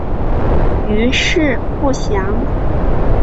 余事不详。